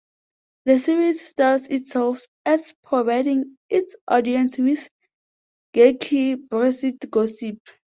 The series styles itself as providing its audience with "geeky Brexit gossip".